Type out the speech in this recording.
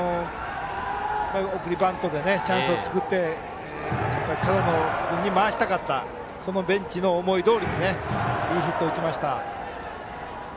送りバントでチャンスを作って門野君に回したかったそのベンチの思いどおりにいいヒットを打ちました。